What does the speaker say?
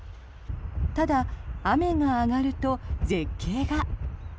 ただ、雨が上がると絶景が。